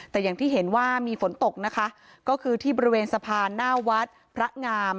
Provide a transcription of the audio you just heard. แต่อย่างที่เห็นว่ามีฝนตกนะคะก็คือที่บริเวณสะพานหน้าวัดพระงาม